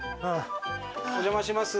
お邪魔します。